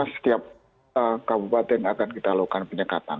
setiap kabupaten akan kita lakukan penyekatan